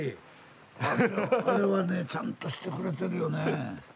あれはねえちゃんとしてくれてるよねえ。